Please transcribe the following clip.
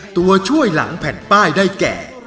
ตัวช่วยหลังแผ่นป้ายได้แก่